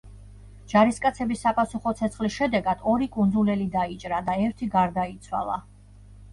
ჯარისკაცების საპასუხო ცეცხლის შედეგად ორი კუნძულელი დაიჭრა და ერთი გარდაიცვალა.